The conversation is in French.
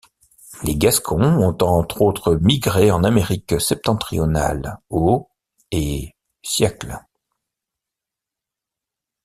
Les Gascons ont entre autres migré en Amérique septentrionale aux et siècles.